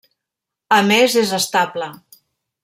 A més és estable.